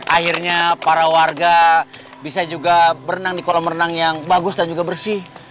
akhirnya para warga bisa juga berenang di kolam renang yang bagus dan juga bersih